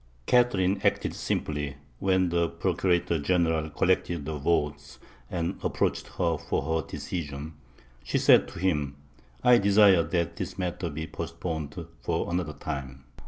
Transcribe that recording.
Catherine acted simply: when the Procurator General collected the votes and approached her for her decision, she said to him, "I desire that this matter be postponed for another time."